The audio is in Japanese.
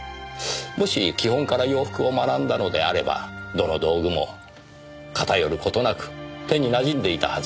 もし基本から洋服を学んだのであればどの道具も偏る事なく手に馴染んでいたはずです。